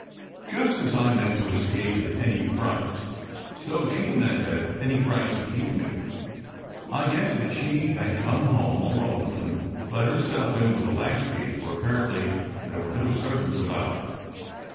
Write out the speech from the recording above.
Just as I meant to escape at any price, so she meant at any price to keep me. I guessed that she had come home alone, and let herself in with a latch key, for apparently there were no servants about.